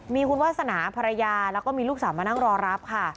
มีคุณวาสนาภรรยาแล้วก็มีลูกสาวมานั่งรอรับค่ะ